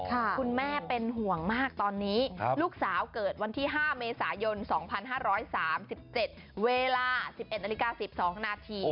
คุณแม่เป็นห่วงมากตอนนี้ลูกสาวเกิดวันที่๕เมษายน๒๕๓๗เวลา๑๑นาฬิกา๑๒นาที